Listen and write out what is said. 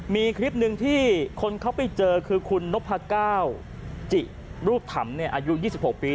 มีคลิปหนึ่งที่คนเขาไปเจอคือคุณนพก้าวจิรูปถำอายุ๒๖ปี